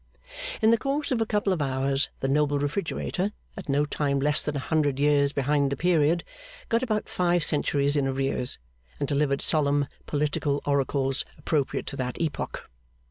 In the course of a couple of hours the noble Refrigerator, at no time less than a hundred years behind the period, got about five centuries in arrears, and delivered solemn political oracles appropriate to that epoch.